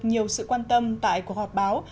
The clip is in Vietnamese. nhiều sự quan tâm tại cuộc họp báo